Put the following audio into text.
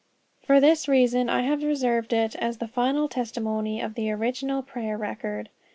For this reason I have reserved it, as the final testimony of the original prayer record.